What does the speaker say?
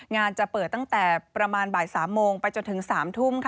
จะเปิดตั้งแต่ประมาณบ่าย๓โมงไปจนถึง๓ทุ่ม